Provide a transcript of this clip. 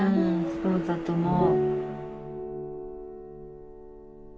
そうだと思う。